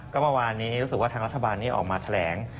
ก็เมื่อวานนี้รู้สึกว่าทางรัฐบาลนี้ออกมาแถลง